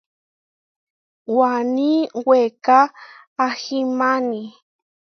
Waní weká ahimáni.